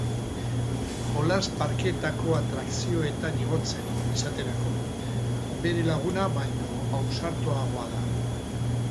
Jolas-parkeetako atrakzioetan igotzen, esaterako, bere laguna baino ausartagoa da.